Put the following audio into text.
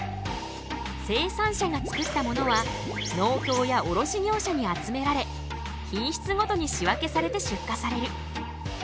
生産者が作ったものは農協や卸業者に集められ品質ごとに仕分けされて出荷される。